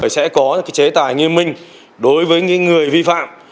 sẽ có cái chế tài như mình đối với những người vi phạm